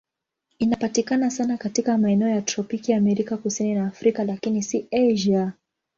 Inapatikana sana katika maeneo ya tropiki Amerika Kusini na Afrika, lakini si Asia.